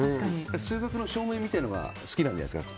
数学の証明みたいなのが好きなんじゃないですか。